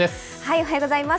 おはようございます。